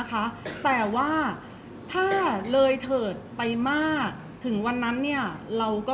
เพราะว่าสิ่งเหล่านี้มันเป็นสิ่งที่ไม่มีพยาน